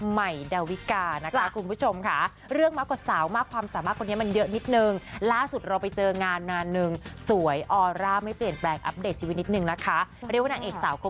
หมายดาวิกานะคะคุณผู้ชมค่ะเรื่องมากกว่าสาวมาก